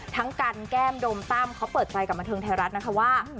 ทั้งกันแก้มโดมตั้มเขาเปิดใจกับบันเทิงไทยรัฐนะคะว่า